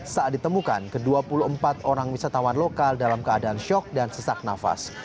saat ditemukan ke dua puluh empat orang wisatawan lokal dalam keadaan syok dan sesak nafas